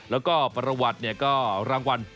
แล้วก็ประวัติก็รางวัล